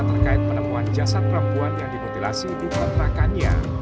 terkait penemuan jasad perempuan yang dimutilasi bukan rakannya